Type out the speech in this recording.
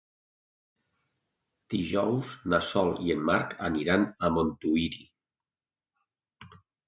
Dijous na Sol i en Marc aniran a Montuïri.